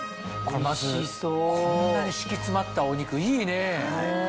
こんなに敷き詰まったお肉いいね！